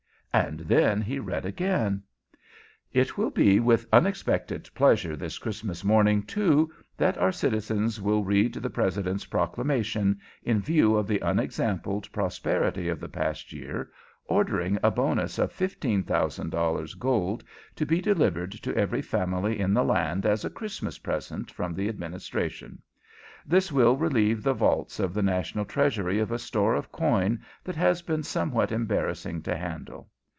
And then he read again: "It will be with unexpected pleasure this Christmas morning, too, that our citizens will read the President's proclamation, in view of the unexampled prosperity of the past year, ordering a bonus of $15,000 gold to be delivered to every family in the land as a Christmas present from the Administration. This will relieve the vaults of the national Treasury of a store of coin that has been somewhat embarrassing to handle.